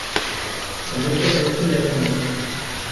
ฉันดึงตัวเองขึ้นเล็กน้อย